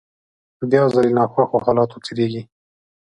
بيا ځلې له ناخوښو حالاتو تېرېږي.